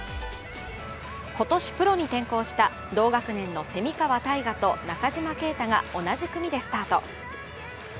今年プロに転向した、同学年の蝉川泰果と中島啓太が同じ組でスタート。